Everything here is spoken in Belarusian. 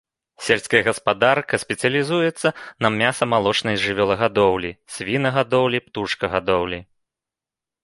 Сельская гаспадарка спецыялізуецца на мяса-малочнай жывёлагадоўлі, свінагадоўлі, птушкагадоўлі.